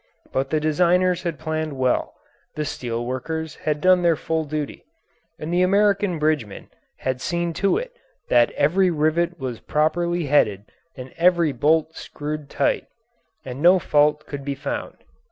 But the designers had planned well, the steel workers had done their full duty, and the American bridgemen had seen to it that every rivet was properly headed and every bolt screwed tight and no fault could be found.